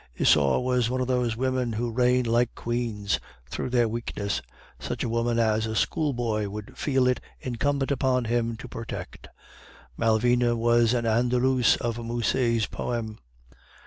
Isaure was one of those women who reign like queens through their weakness, such a woman as a schoolboy would feel it incumbent upon him to protect; Malvina was the Andalouse of Musset's poem.